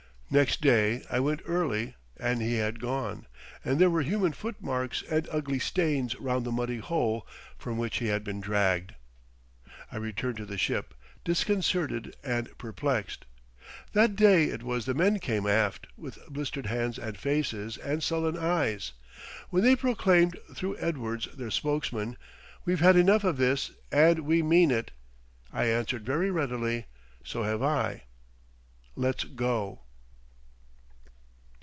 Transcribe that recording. Next day I went early, and he had gone, and there were human footmarks and ugly stains round the muddy hole from which he had been dragged. I returned to the ship, disconcerted and perplexed. That day it was the men came aft, with blistered hands and faces, and sullen eyes. When they proclaimed, through Edwards, their spokesman, "We've had enough of this, and we mean it," I answered very readily, "So have I. Let's go."